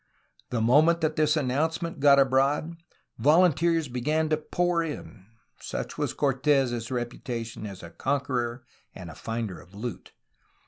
The moment that this announce ment got abroad, volunteers began to pour in, — such was Cortes' reputation as a conqueror and finder of loot.